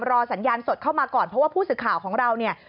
สัญญาณสดเข้ามาก่อนเพราะว่าผู้สื่อข่าวของเราเนี่ย